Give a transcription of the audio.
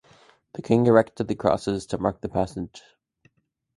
The king erected the crosses to mark the passage.